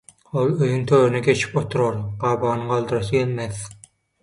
Ol öýüň törüne geçip oturar, gabagyny galdyrasy gelmez.